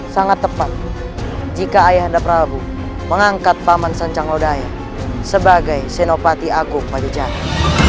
sangat tepat jika ayahanda prabu mengangkat paman sancang lodaya sebagai senopati aku pada jalan